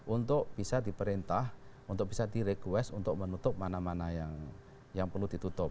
untuk bisa diperintah untuk bisa di request untuk menutup mana mana yang perlu ditutup